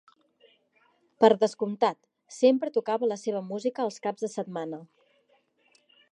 Per descomptat, sempre tocava la seva música els caps de setmana.